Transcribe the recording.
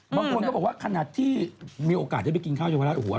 บางคนก็บอกว่าขนาดที่มีโอกาสจะไปกินข้าวยาวราชโอ้โหอร่อยมาก